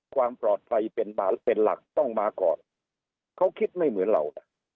ความปลอดภัยเป็นมาเป็นหลักต้องมาก่อนเขาคิดไม่เหมือนเรานะ